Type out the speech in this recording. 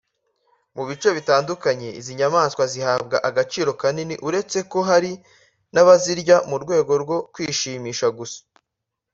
Mu bice bitandukanye izi nyamaswa zihabwa agaciro kanini uretse ko hari n’abazirya mu rwego rwo kwishimisha gusa